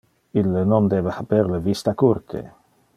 Ille non debe haber le vista curte.